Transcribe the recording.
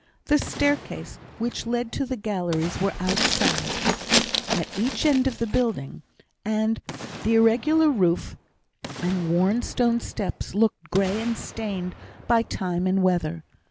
The staircases which led to the galleries were outside, at each end of the building, and the irregular roof and worn stone steps looked grey and stained by time and weather.